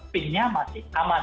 pin nya masih aman